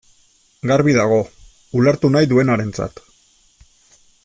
Garbi dago, ulertu nahi duenarentzat.